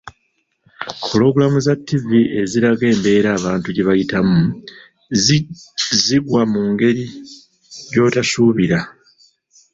Pulogulaamu za ttivi eziraga embeera abantu gye bayitamu ziggwa mu ngeri gy'otasuubira.